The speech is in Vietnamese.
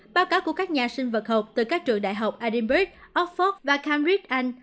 báo cáo của các nhà sinh vật học từ các trường đại học edinburgh oxford và cambridge anh